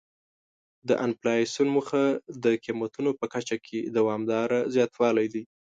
د انفلاسیون موخه د قیمتونو په کچه کې دوامداره زیاتوالی دی.